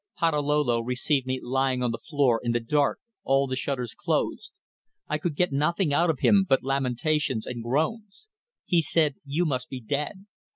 Patalolo received me lying on the floor, in the dark, all the shutters closed. I could get nothing out of him but lamentations and groans. He said you must be dead.